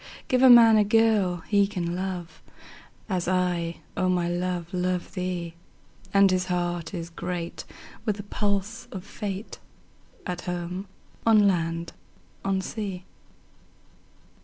Give a man a girl he can love, As I, O my love, love thee; 10 And his heart is great with the pulse of Fate, At home, on land, on sea.